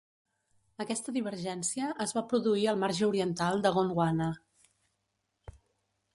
Aquesta divergència es va produir al marge oriental de Gondwana.